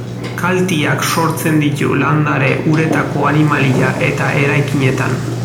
Kalteak sortzen ditu landare, uretako animalia eta eraikinetan.